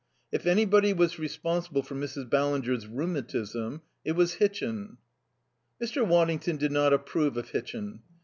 If anybody was responsible for Mrs. Ballinger's rheumatism, it was Hitchin. Mr. Waddington did not approve of Hitchin.